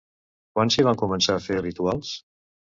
Quan s'hi van començar a fer rituals?